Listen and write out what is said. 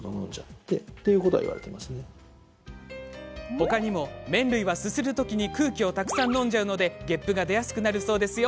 他にも、麺類はすする時に空気をたくさん飲んじゃうのでげっぷが出やすくなるそうですよ？